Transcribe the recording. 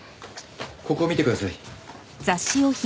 ここ見てください。